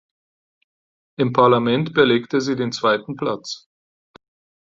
Im Parlament belegte sie den zweiten Platz.